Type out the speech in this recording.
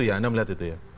anda melihat itu ya